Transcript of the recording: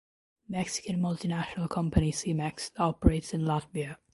Mexican multinational company Cemex operates in Latvia.